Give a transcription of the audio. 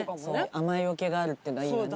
雨よけがあるっていうのはいいわね。